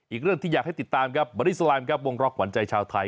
อีกเรื่องที่อยากให้ติดตามครับบอดี้แลมครับวงล็อกขวัญใจชาวไทย